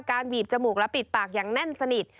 บีบจมูกและปิดปากอย่างแน่นสนิท